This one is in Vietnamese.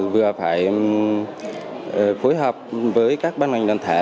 vừa phải phối hợp với các ban ngành đoàn thể